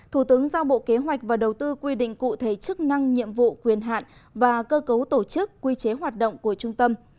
thủ tướng giao bộ kế hoạch và đầu tư quy định cụ thể chức năng nhiệm vụ quyền hạn và cơ cấu tổ chức quy chế hoạt động của trung tâm